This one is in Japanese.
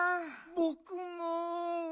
ぼくも。